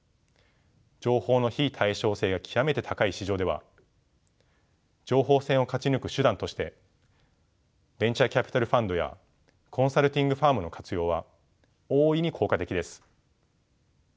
情報の非対称性が極めて高い市場では情報戦を勝ち抜く手段としてベンチャーキャピタルファンドやコンサルティングファームの活用は大いに効果的です。